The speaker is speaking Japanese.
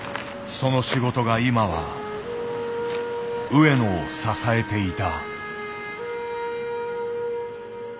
その仕事が今は上野を支えていた。